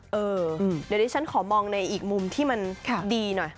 เดี๋ยวดิฉันขอมองในอีกมุมที่มันดีหน่อย